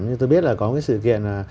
như tôi biết là có cái sự kiện là